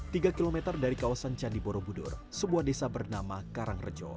tiga km dari kawasan candi borobudur sebuah desa bernama karangrejo